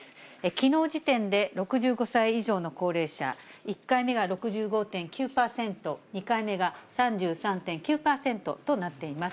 きのう時点で６５歳以上の高齢者、１回目が６５．９％、２回目が３３．９％となっています。